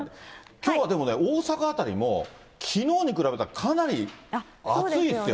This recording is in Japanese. きょうはでもね、大阪辺りも、きのうに比べたらかなり暑いですよ。